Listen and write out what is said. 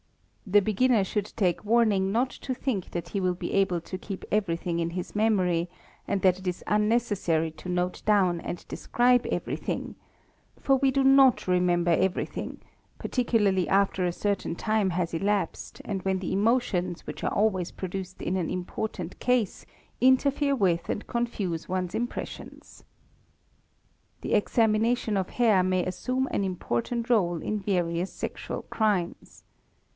The beginner should take warning not to think that he will be able to keep everything in his memory and that it is unnecessary to note down and describe everything; for we do not remember everything, particularly after a certain time has elapsed and when the emotions which are always produced in an important case interfere with and confuse one's impressions. The examination of hair may assume an important role in various sexual crimes.